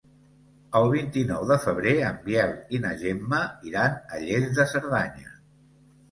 El vint-i-nou de febrer en Biel i na Gemma iran a Lles de Cerdanya.